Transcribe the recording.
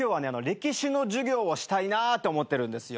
歴史の授業をしたいなぁって思ってるんですよ。